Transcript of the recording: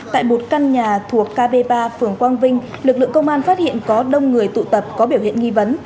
tại một căn nhà thuộc kb ba phường quang vinh lực lượng công an phát hiện có đông người tụ tập có biểu hiện nghi vấn